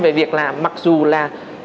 về việc là mặc dù là